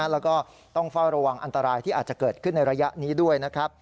แล้วก็ต้องเฝ้าระวังอันตรายที่อาจจะเกิดขึ้นในระยะนี้ด้วยนะครับ